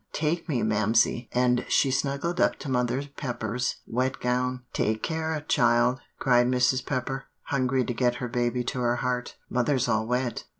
Take me, Mamsie," and she snuggled up to Mother Pepper's wet gown. "Take care, child," cried Mrs. Pepper, hungry to get her baby to her heart; "mother's all wet.